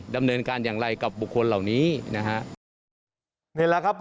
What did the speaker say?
ดำเนินการอย่างไรกับบุคคลเหล่านี้นะครับ